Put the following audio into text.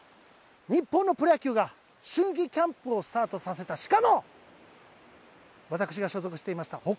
日本のプロ野球が、春季キャンプをスタートさせた、しかも、私が所属していました